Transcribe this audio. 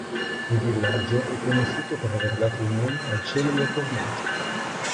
Il villaggio è conosciuto per aver dato il nome al celebre formaggio.